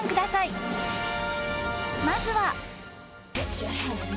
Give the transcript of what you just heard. ［まずは］